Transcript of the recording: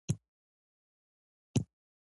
که سازماني اړیکي هم ونه لري.